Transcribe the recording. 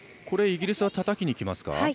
イギリスはたたきにきますか？